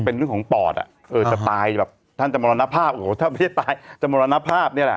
เป็นเรื่องของปอดอ่ะเออจะตายแบบท่านจะมรณภาพโอ้โหถ้าไม่ได้ตายจะมรณภาพเนี่ยแหละ